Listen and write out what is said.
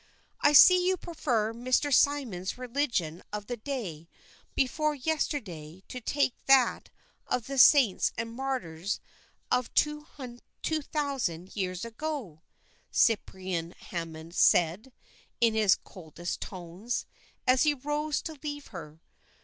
"I see you prefer Mr. Symeon's religion of the day before yesterday to that of the saints and martyrs of two thousand years," Cyprian Hammond said in his coldest tones, as he rose to leave her.